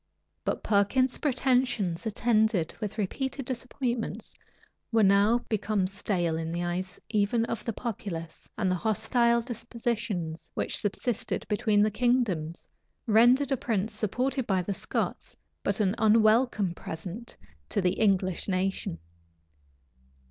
But Perkin's pretensions, attended with repeated disappointments, were now become stale in the eyes even of the populace; and the hostile dispositions which subsisted between the kingdoms, rendered a prince supported by the Scots but an unwelcome present to the English nation.